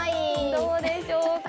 どうでしょうか？